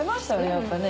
やっぱりね。